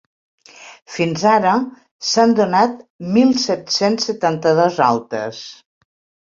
Fins ara s’han donat mil set-cents setanta-dos altes.